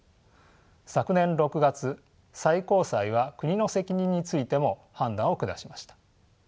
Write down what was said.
昨年６月最高裁は国の責任についても判断を下しました。